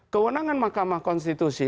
kewenangan mahkamah konstitusi